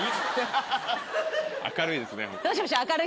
明るいですね。